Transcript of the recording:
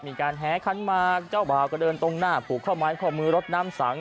มีการแหขันหมากเจ้าบ่าวก็เดินตรงหน้าผูกข้อไม้ข้อมือรถน้ำสัง